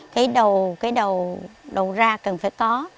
cái đầu ra cần phải có